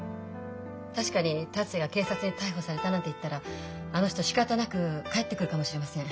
確かに「達也が警察に逮捕された」なんて言ったらあの人しかたなく帰ってくるかもしれません。